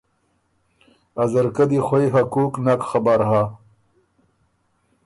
ا ځرکۀ دی خوئ حقوق نک خبر هۀ۔